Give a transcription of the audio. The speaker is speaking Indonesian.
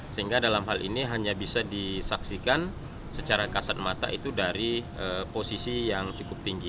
sehingga dalam hal ini hanya bisa disaksikan secara kasat mata itu dari posisi yang cukup tinggi